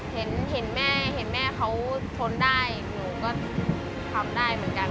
เห็นแม่เห็นแม่เขาทนได้หนูก็ทำได้เหมือนกัน